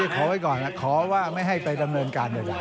ขอไว้ก่อนขอว่าไม่ให้ไปดำเนินการดีกว่า